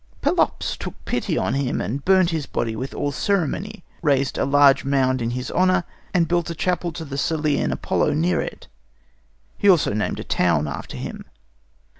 Pelops took pity on him and burnt his body with all ceremony, raised a huge mound in his honour, and built a chapel to the Cillean Apollo near it. He also named a town after him.